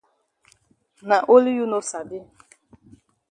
Na only you no sabi.